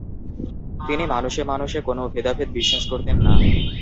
তিনি মানুষে-মানুষে কোনও ভেদাভেদে বিশ্বাস করতেন না।